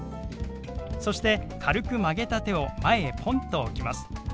そして軽く曲げた手を前へポンと置きます。